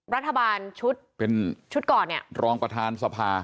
รัฐบาลชุดก่อนเนี่ยเป็นรองประธานสภา